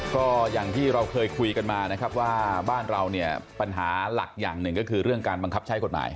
ก็อย่างที่เราเคยคุยกันมานะครับว่าบ้านเราเนี่ยปัญหาหลักอย่างหนึ่งก็คือเรื่องการบังคับใช้กฎหมาย